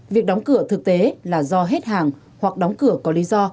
việc đóng cửa thực tế là do hết hàng hoặc đóng cửa có lý do